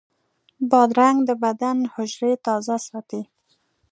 بادرنګ د بدن حجرې تازه ساتي.